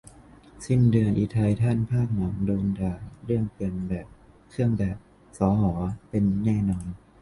สิ้นเดือนอิไททันภาคหนังโดนด่าเรื่องเปลี่ยนเครื่องแบบสห เป็น แน่นอน